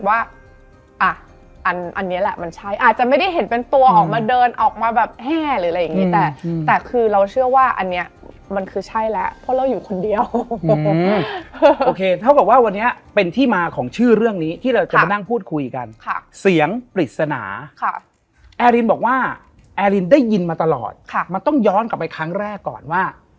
ผิดนิสัยเพราะปกติเราจะเป็นคนที่เล่นอย่างเงี้ยเซลเล่นโฟนอะไรอย่างเงี้ย